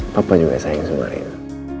papa juga sayang sumaria